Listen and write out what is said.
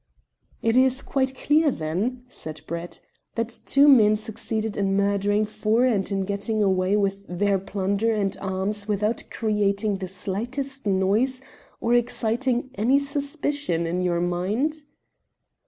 "It is quite clear, then," said Brett, "that two men succeeded in murdering four and in getting away with their plunder and arms without creating the slightest noise or exciting any suspicion in your mind."